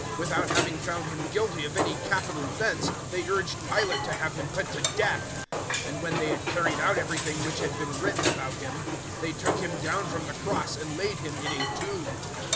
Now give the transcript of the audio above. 013:028 Without having found Him guilty of any capital offence they urged Pilate to have Him put to death; 013:029 and when they had carried out everything which had been written about Him, they took Him down from the cross and laid Him in a tomb.